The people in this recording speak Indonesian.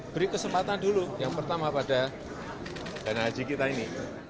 beri kesempatan dulu yang pertama pada dana haji